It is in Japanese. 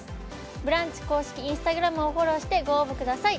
「ブランチ」公式インスタグラムをフォローしてご応募ください